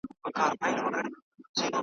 یو سړی نسته چي ورکړي تعویذونه .